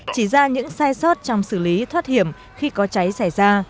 chỉ ra những sai sót trong xử lý thoát hiểm khi có cháy xảy ra